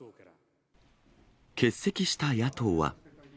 欠席した野党は。